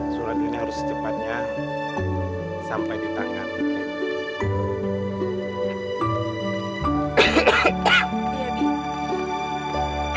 surat ini harus secepatnya sampai di tangga mugeni